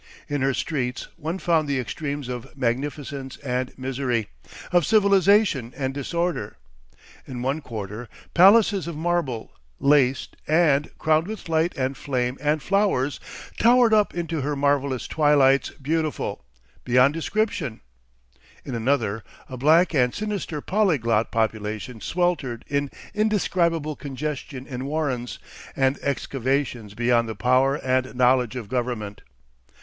In her streets one found the extremes of magnificence and misery, of civilisation and disorder. In one quarter, palaces of marble, laced and, crowned with light and flame and flowers, towered up into her marvellous twilights beautiful, beyond description; in another, a black and sinister polyglot population sweltered in indescribable congestion in warrens, and excavations beyond the power and knowledge of government.